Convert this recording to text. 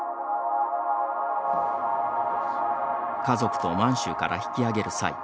家族と満州から引き揚げる際